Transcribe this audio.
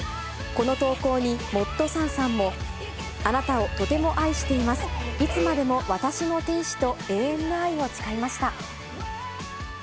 この投稿に、モッド・サンさんも、あなたをとても愛しています、いつまでも私の天使と、永遠の愛を誓いました。